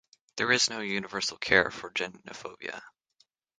There is no universal cure for genophobia.